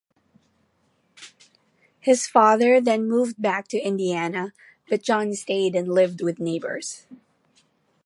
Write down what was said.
His father then moved back to Indiana but John stayed and lived with neighbors.